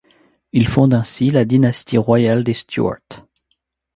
Il fonde ainsi la dynastie royale des Stuart.